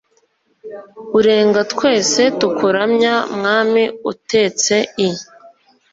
urenga twese tukuramya mwami utetse i